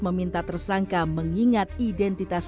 meminta tersangka mengingat identitas